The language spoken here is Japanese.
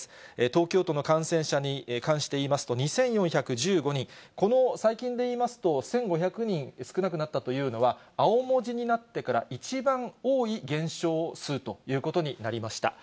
東京都の感染者に関していいますと、２４１５人、この最近でいいますと、１５００人少なくなったというのは、青文字になってから一番多い減少数ということになりました。